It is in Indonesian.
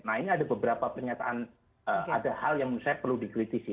nah ini ada beberapa pernyataan ada hal yang menurut saya perlu dikritisi